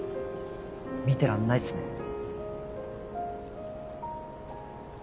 見てらんないっすね。